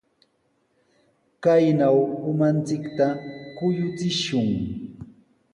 Kaynaw umanchikta kuyuchishun.